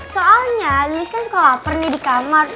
soalnya lilis kan suka lapar nih di kamar